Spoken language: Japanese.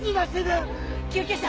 救急車！